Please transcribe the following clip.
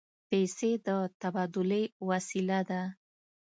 پیسې د تبادلې وسیله ده.